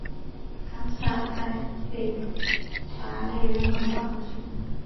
卡萨盖贝戈内人口变化图示